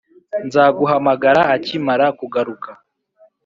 nzaguhamagara akimara kugaruka.